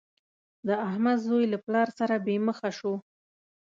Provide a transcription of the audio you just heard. د احمد زوی له پلار سره بې مخه شو.